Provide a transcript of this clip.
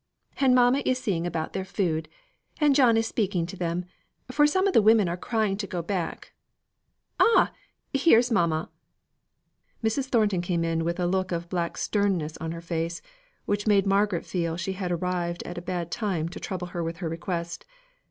And mamma is seeing about their food, and John is speaking to them, for some of the women are crying to go back. Ah! here's mamma!" Mrs. Thornton came in with a look of black sternness on her face, which made Margaret feel she had arrived at a bad time to trouble her with her request.